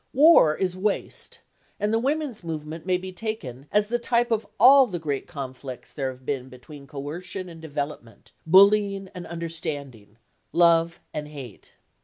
War is waste and the women's movement may be taken as the type of all the great conflicts there have been between coercion and development, bullying and understanding, love and hate.